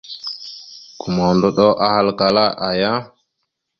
Gomohəndoɗo ahalkala : aaya ?